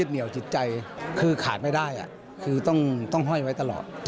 จะเป็นยังไงให้เจ้าตัวเล่าให้ฟังดีกว่าค่ะ